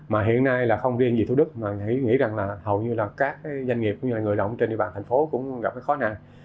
mà hiện nay là không riêng vì thủ đức mà nghĩ rằng là hầu như là các doanh nghiệp như là người lao động trên địa bàn thành phố cũng gặp cái khó này